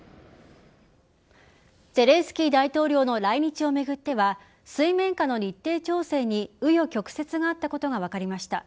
ゼレンスキー大統領の来日を巡っては水面下の日程調整に紆余曲折があったことが分かりました。